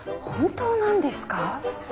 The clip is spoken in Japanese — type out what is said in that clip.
本当なんですか？